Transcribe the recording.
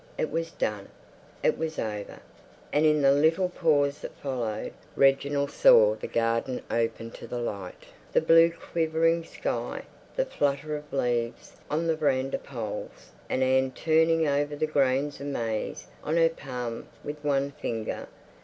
It was done. It was over. And in the little pause that followed Reginald saw the garden open to the light, the blue quivering sky, the flutter of leaves on the veranda poles, and Anne turning over the grains of maize on her palm with one finger.